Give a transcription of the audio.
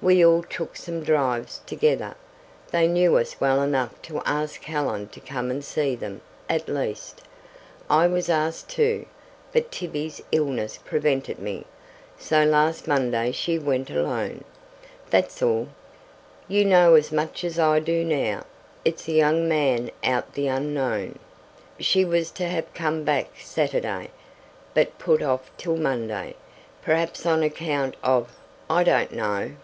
We all took some drives together. They knew us well enough to ask Helen to come and see them at least, I was asked too, but Tibby's illness prevented me, so last Monday she went alone. That's all. You know as much as I do now. It's a young man out the unknown. She was to have come back Saturday, but put off till Monday, perhaps on account of I don't know.